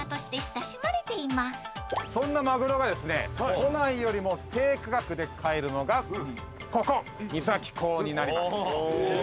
都内よりも低価格で買えるのがここ三崎港になります。